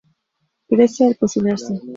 Crece al cocinarse.